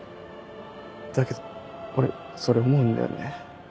だけど俺それ思うんだよね。